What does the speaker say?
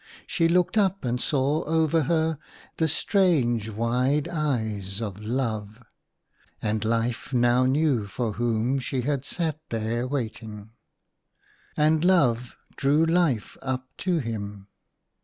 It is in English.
She looked up, and saw over her the strange, wide eyes of Love — and Life now knew for whom she had sat there waiting. And Love drew Life up to him.